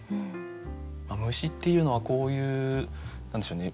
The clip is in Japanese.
虫っていうのはこういう何でしょうね。